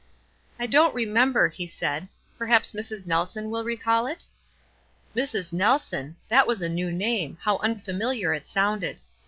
" I don't remember," he said. " Perhaps Mrs. Nelson will recall it?" Mrs. Nelson !— that was a new T name; how unfamiliar it sounded.